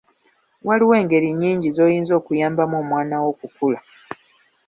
Waliwo engeri nnyingi z’oyinza okuyambamu omwana wo okukula.